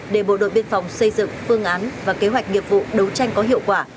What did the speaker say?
để bộ đội biên phòng xây dựng phương án và kế hoạch nghiệp vụ đấu tranh có hiệu quả